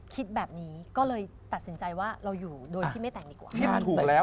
คิดแบบนี้ก็เลยตัดสินใจว่าเราอยู่โดยที่ไม่แต่งดีกว่า